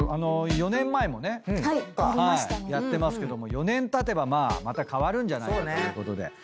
４年前もねやってますけども４年たてばまあまた変わるんじゃないかということで。